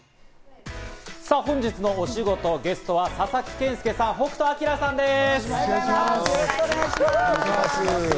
本日の推しゴト、ゲストは佐々木健介さんと北斗晶さんです。